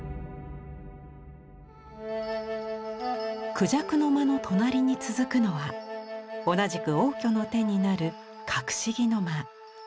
「孔雀の間」の隣に続くのは同じく応挙の手になる「郭子儀の間」。